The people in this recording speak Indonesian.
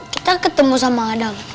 kita ketemu sama adam